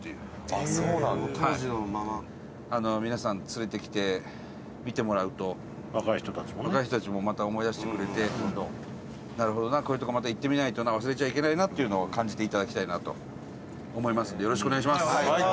伊達：みなさん、連れてきて見てもらうと若い人たちもまた思い出してくれてなるほどな、こういう所また行ってみないとな忘れちゃいけないなっていうのを感じていただきたいなと思いますのでよろしくお願いします。